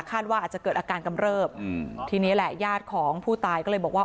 ว่าอาจจะเกิดอาการกำเริบอืมทีนี้แหละญาติของผู้ตายก็เลยบอกว่า